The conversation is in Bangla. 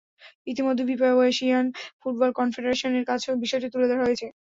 ইতিমধ্যে ফিফা এবং এশিয়ান ফুটবল কনফেডারেশনের কাছেও বিষয়টি তুলে ধরা হয়েছে।